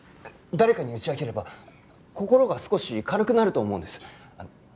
誰かに打ち明ければ心が少し軽くなると思うんです。